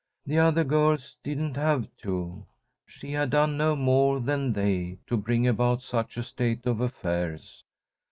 The other girls didn't have to. She had done no more than they to bring about such a state of affairs.